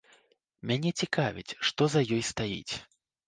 Мяне цікавіць, што за ёй стаіць.